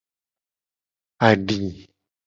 Adi.